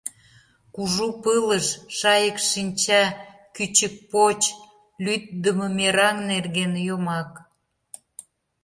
КУЖУ ПЫЛЫШ – ШАЙЫК ШИНЧА – КӰЧЫК ПОЧ ЛӰДДЫМӦ МЕРАҤ НЕРГЕН ЙОМАК